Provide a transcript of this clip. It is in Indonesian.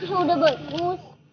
ya udah bagus